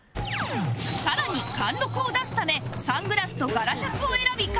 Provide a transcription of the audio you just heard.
更に貫禄を出すためサングラスと柄シャツを選び完成